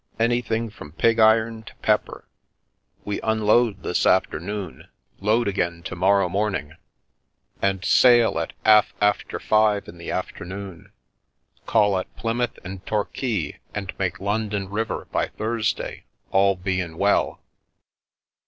Anything from pig iron to pepper. We unload this afternoon, load again to morrow morn The Milky Way ing, and sail at 'alf after five in the afternoon. Call at Plymouth and Torquay, and make London river by Thursday, all bein' well."